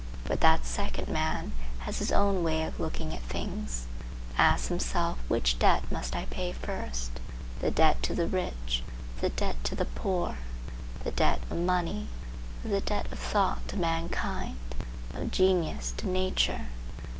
But that second man has his own way of looking at things; asks himself Which debt must I pay first, the debt to the rich, or the debt to the poor? the debt of money, or the debt of thought to mankind, of genius to nature?